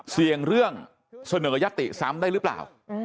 เสี่ยงเรื่องเสนอยติซ้ำได้หรือเปล่า